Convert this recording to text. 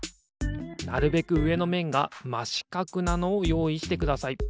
なるべくうえのめんがましかくなのをよういしてください。